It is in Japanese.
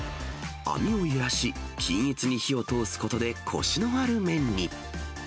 網を揺らし、均一に火を通すことで、こしのある麺に。